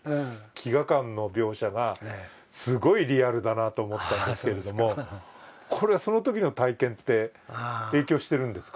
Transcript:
飢餓感の描写がすごいリアルだなと思ったんですけれども、これはそのときの体験て影響しているんですか？